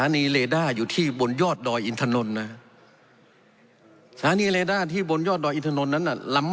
แล้วปรากฏว่ายิงลงไล่ของชาวบ้านที่อยู่ใกล้ใกล้ศูนย์เด็กเล็กแล้ว